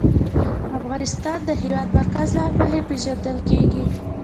افغانستان د د هېواد مرکز له مخې پېژندل کېږي.